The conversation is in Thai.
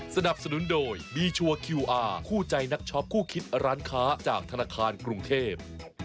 สนับสนุนโดยบีชัวร์คิวอาร์คู่ใจนักช็อปคู่คิดร้านค้าจากธนาคารกรุงเทพ